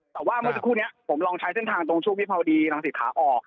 แต่ว่าเมื่อสักครู่นี้ผมลองใช้เส้นทางตรงช่วงวิภาวดีรังสิตขาออก